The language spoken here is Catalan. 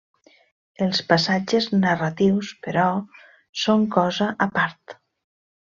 Els passatges narratius, però, són cosa a part.